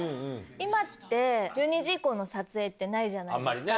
今って１２時以降の撮影ってないじゃないですか。